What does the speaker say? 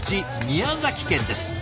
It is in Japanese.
宮崎県です。